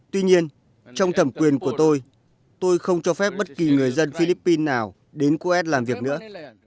tuy nhiên trong thẩm quyền của tôi tôi không cho phép bất kỳ người dân philippines nào đến coes làm việc nữa